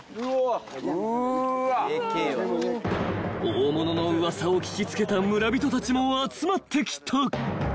［大物の噂を聞き付けた村人たちも集まってきた］